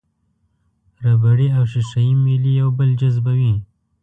ربړي او ښيښه یي میلې یو بل جذبوي.